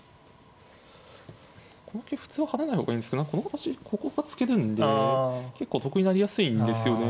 この桂普通は跳ねない方がいいんですけどこの形ここが突けるんで結構得になりやすいんですよね。